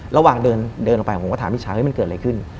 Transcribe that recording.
ระหว่างเดินลงไปผมก็ถามมิชชาเฮ้ยมันเกิดอะไรขึ้น